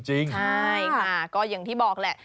ใช่ค่ะก็อย่างที่บอกแหละ